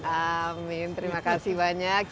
amin terima kasih banyak